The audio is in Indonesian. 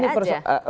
nah ini perso